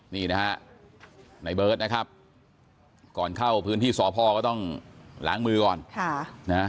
นี่นะฮะในเบิร์ตนะครับก่อนเข้าพื้นที่สพก็ต้องล้างมือก่อน